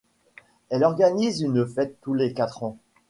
Elle organise une fête tous les quatre ans.